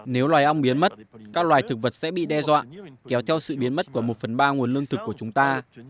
nếu loài ong biến mất các loài thực vật sẽ bị đe dọa kéo theo sự biến mất của một phần ba nguồn lương thực của chúng ta